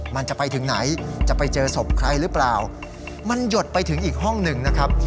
มันจะไปถึงไหนจะไปเจอศพใครหรือเปล่ามันหยดไปถึงอีกห้องหนึ่งนะครับ